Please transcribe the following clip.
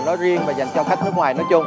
nói riêng và dành cho khách nước ngoài nói chung